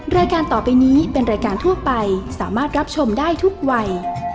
รายการต่อไปนี้เป็นรายการทั่วไปสามารถรับชมได้ทุกวัย